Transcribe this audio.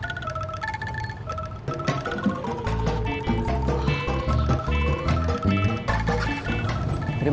aku mau pergi